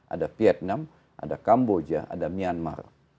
ada vietnam ada kamboja ada myanmar